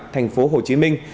thành phố hồ chí minh